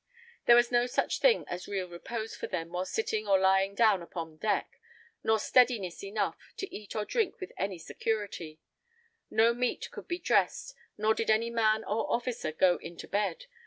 There was no such thing as real repose for them when sitting or lying down upon deck, nor steadiness enough to eat or drink with any security; no meat could be dressed, nor did any man or officer go into bed.